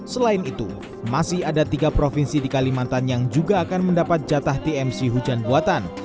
selain itu masih ada tiga provinsi di kalimantan yang juga akan mendapat jatah tmc hujan buatan